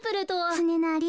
つねなり。